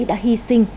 đã hy sinh